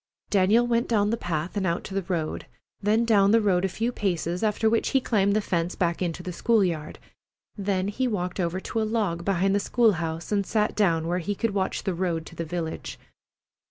Daniel went down the path and out to the road; then down the road a few paces, after which he climbed the fence back into the school yard. Then he walked over to a log behind the school house and sat down where he could watch the road to the village.